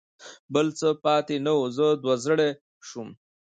بل څه پاتې نه و، زه دوه زړی شوم.